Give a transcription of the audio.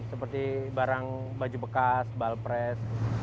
seperti barang baju bekas balpres